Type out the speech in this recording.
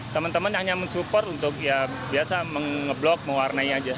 teman teman hanya mensupport untuk ya biasa mengeblok mewarnai aja